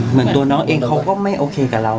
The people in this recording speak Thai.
เหมือนตัวน้องเองเขาก็ไม่โอเคกับเรา